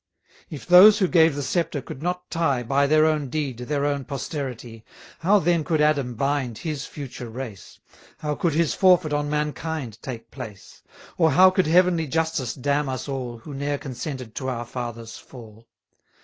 If those who gave the sceptre could not tie, By their own deed, their own posterity, 770 How then could Adam bind his future race? How could his forfeit on mankind take place? Or how could heavenly justice damn us all, Who ne'er consented to our father's fall?